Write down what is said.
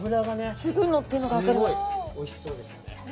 おいしそうですよね。